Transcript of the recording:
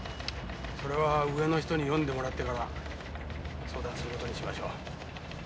それは上の人に読んでもらってから相談する事にしましょう。